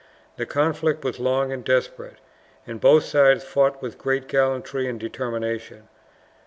The conflict was long and desperate, and both sides fought with great gallantry and determination.